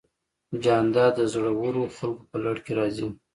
جانداد د زړورو خلکو په لړ کې راځي.